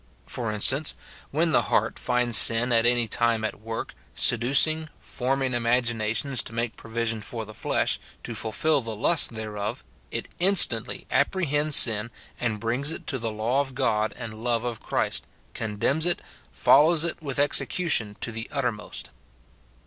For in stance, when the heart finds sin at any time at work, se ducing, forming imaginations to make provision for the 17* 198 MORTIFICATION OF flesh, to fulfil the lusts thereof, it instantly apprehends sin, and brings it to the law of God and love of Christ, condemns it, follows it with execution to the uttermost.